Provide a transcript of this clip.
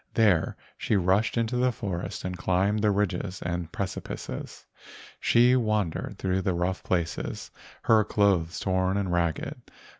There she rushed into the forest and climbed the ridges and preci 136 LEGENDS OF GHOSTS pices. She wandered through the rough places, her clothes torn and ragged.